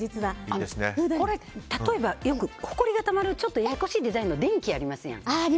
例えばよくほこりがたまるややこしいデザインの電気ありますやん。